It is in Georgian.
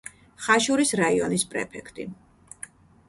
ხაშურის რაიონის პრეფექტი.